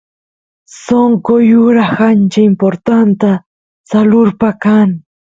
sonqo yuraq ancha importanta salurpa kan